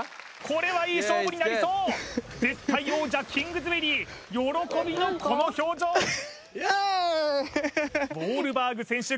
これはいい勝負になりそう絶対王者キングズベリー喜びのこの表情ウォールバーグ選手